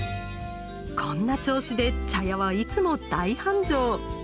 こんな調子で茶屋はいつも大繁盛。